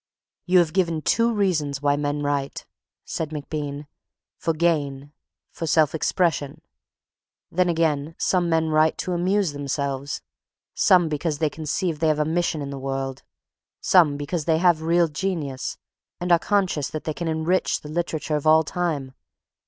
"You have given two reasons why men write," said MacBean: "for gain, for self expression. Then, again, some men write to amuse themselves, some because they conceive they have a mission in the world; some because they have real genius, and are conscious they can enrich the literature of all time.